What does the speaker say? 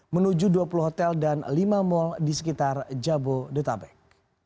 menuju dua puluh hotel dan lima mal di sekitar jabodetabek